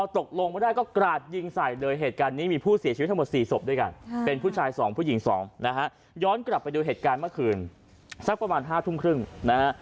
ทั้งหมดสี่ศพด้วยกันเป็นผู้ชายสองผู้หญิงสองนะฮะย้อนกลับไปด้วยเหตุการณ์เมื่อคืนสักประมาณห้าทุ่มครึ่งนะฮะ